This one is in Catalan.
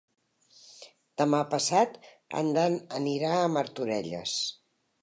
Demà passat en Dan anirà a Martorelles.